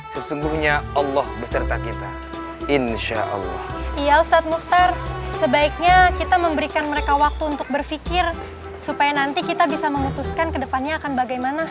sesungguhnya allah beserta kita insyaallah iya ustadz muftar sebaiknya kita memberikan mereka waktu untuk berfikir supaya nanti kita bisa mengutuskan kedepannya akan bagaimana